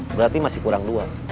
berarti masih kurang dua